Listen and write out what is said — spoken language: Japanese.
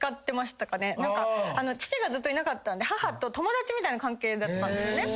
父がずっといなかったんで母と友達みたいな関係だった。